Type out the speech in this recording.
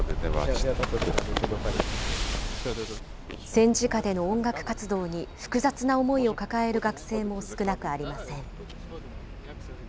戦時下での音楽活動に、複雑な思いを抱える学生も少なくありません。